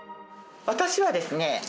私はですね